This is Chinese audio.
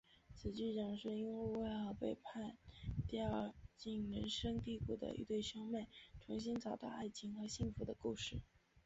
此剧讲述因误会和背叛掉进人生低谷的一对兄妹重新找到爱情和幸福的故事。